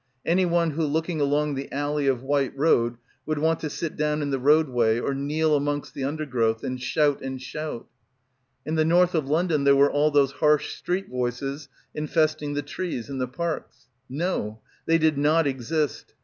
Anyone who looking along the alley of white road would want to sit down in the roadway or kneel amongst the undergrowth and shout and shout? In the north of London there were all those harsh street voices infesting the trees and the parks. No! they did not exist.